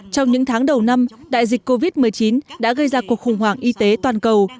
trong những tháng đầu năm đại dịch covid một mươi chín đã gây ra cuộc khủng hoảng y tế toàn cầu